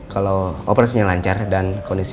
kalau operasinya lancar dan kondisi